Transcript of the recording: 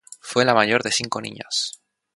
Fue la mayor de cinco niñas.